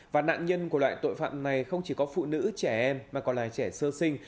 và nạn nhân của loại tội phạm này không chỉ có phụ nữ trẻ em mà còn là trẻ sơ sinh